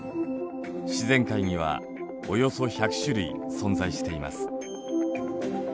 自然界にはおよそ１００種類存在しています。